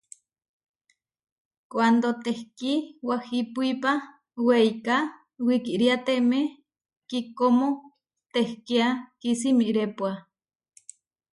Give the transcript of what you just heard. Kuándo tehkí wahipuipa weiká wikíriateme kíkómo téhkia kísimirépua.